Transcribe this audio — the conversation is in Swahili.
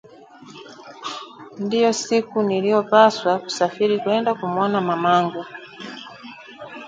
Ndiyo siku niliyopaswa kusafiri kwenda kumwona mamangu